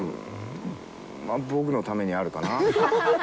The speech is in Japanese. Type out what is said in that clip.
僕のためにあるかな。